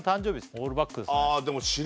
オールバックですねああ